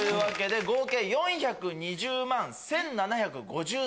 合計４２０万１７５３人。